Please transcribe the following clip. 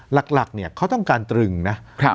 หลักเขาต้องการตรึงนะ